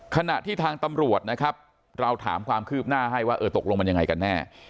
ขณะที่ทางตำรวจนะครับเราถามความคืบหน้าให้ว่าเออตกลงมันยังไงกันแน่